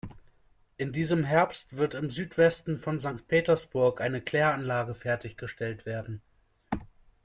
In diesem Herbst wird im Südwesten von Sankt Petersburg eine Kläranlage fertig gestellt werden.